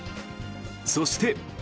そして。